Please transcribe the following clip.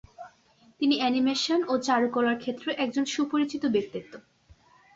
তিনি অ্যানিমেশন ও চারুকলার ক্ষেত্রে একজন সুপরিচিত ব্যক্তিত্ব।